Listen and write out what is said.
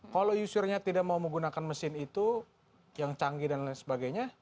kalau usernya tidak mau menggunakan mesin itu yang canggih dan lain sebagainya